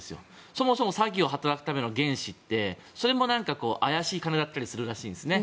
そもそも詐欺を働くための原資ってそれも怪しい金だったりするらしいんですね。